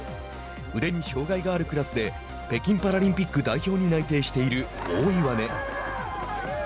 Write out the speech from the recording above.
腕に障害があるクラスで北京パラリンピック代表に内定している大岩根。